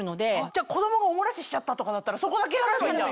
じゃあ子供がお漏らししちゃったとかだったらそこだけ洗えばいいんだ。